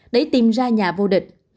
để tìm ra nhà vô địch